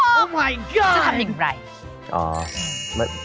ทะหรอกจะทำอย่างไรโอ้มายก็อด